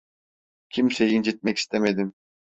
Kimseyi incitmek istemedim.